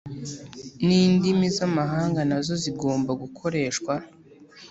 nindimi zamahanga nazo zigomba gukoreshwa